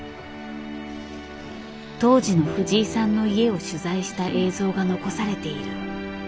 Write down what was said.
当時の藤井さんの家を取材した映像が残されている。